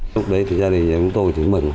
lúc đấy thì gia đình nhà chúng tôi thì mừng